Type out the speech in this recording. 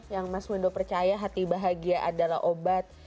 yang mas windo percaya hati bahagia adalah obat